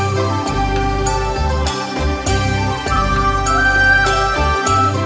โชว์สี่ภาคจากอัลคาซ่าครับ